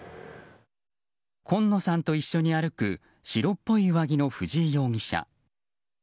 今野さんと一緒に歩く白っぽい上着の藤井容疑者。